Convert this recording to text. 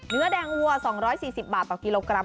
เนื้อแดงวัว๒๔๐บาทต่อกิโลกรัม